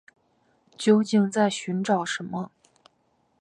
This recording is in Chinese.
究竟在寻找什么